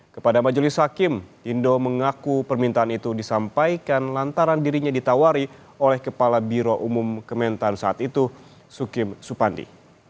kepada majelis hakim indo mengaku permintaan itu disampaikan lantaran dirinya ditawari oleh kepala biro umum kementan saat itu sukim supandi